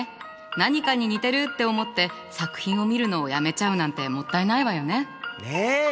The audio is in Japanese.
何かに似てるって思って作品を見るのをやめちゃうなんてもったいないわよね。ね！